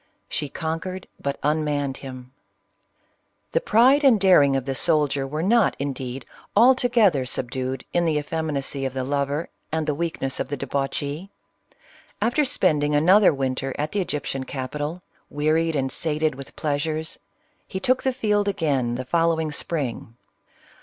She conquered, but unmanned him. The pride and daring of the soldier were not, indeed, altogether subdued in the effeminacy of the lover, and the weakness of the debauchee. After spending an other winter at 'the Egyptian capitol, wearied and sated with pleasure, he took the field again the following spring.